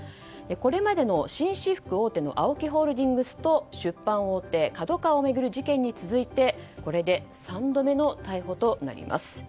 これまでの紳士服大手のＡＯＫＩホールディングスと出版大手ＫＡＤＯＫＡＷＡを巡る事件に続いてこれで３度目の逮捕となります。